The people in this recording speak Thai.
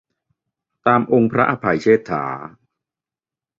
ตามองค์พระอภัยเชษฐา